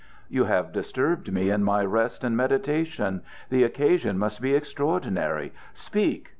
"You have disturbed me in my rest and meditations. The occasion must be extraordinary. Speak!